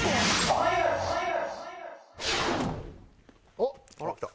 おっ！来た。